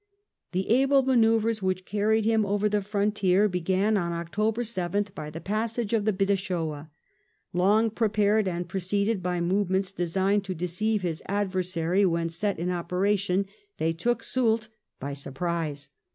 The able manoeuvres which carried him over the frontier began on October 7th by the passage of the Bidassoa. Long prepared, and preceded by movements designed to deceive his adversary, when set in operation they took Soult by surprise.